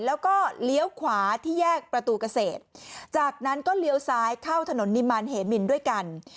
แล้วก็เลี้ยวขวาที่แยกประตูเกษตรจากนั้นก็เลี้ยวซ้ายเข้าถนนนิมารเหมินด้วยกัน